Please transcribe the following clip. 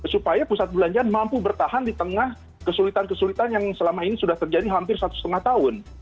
supaya pusat perbelanjaan mampu bertahan di tengah kesulitan kesulitan yang selama ini sudah terjadi hampir satu setengah tahun